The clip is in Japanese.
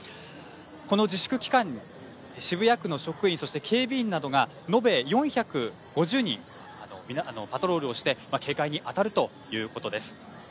この自粛期間に、渋谷区の職員そして警備員などが延べ４５０人パトロールをして警戒に当たるということです。